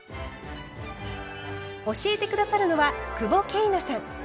教えて下さるのは久保桂奈さん。